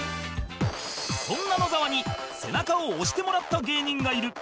そんな野沢に背中を押してもらった芸人がいる